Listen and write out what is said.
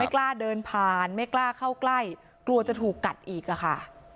กล้าเดินผ่านไม่กล้าเข้าใกล้กลัวจะถูกกัดอีกอะค่ะ